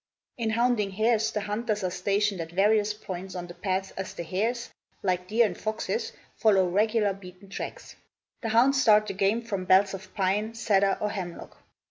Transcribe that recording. In hounding hares the hunters are stationed at various points on the paths as the hares, like deer and foxes, follow regular beaten tracks. The hounds start the game from belts of pine, cedar, or hemlock.